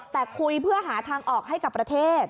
แต่คุยเพื่อหาทางออกให้กับประเทศ